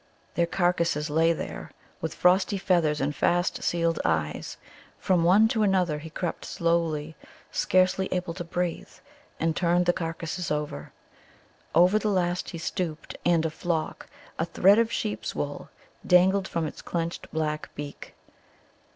Their carcasses lay there with frosty feathers and fast sealed eyes. From one to another he crept slowly, scarcely able to breathe, and turned the carcasses over. Over the last he stooped, and a flock, a thread of sheep's wool dangled from its clenched black beak.